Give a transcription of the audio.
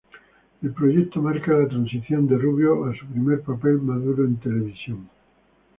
El proyecto marca la transición de Rubio a su primer papel maduro en televisión.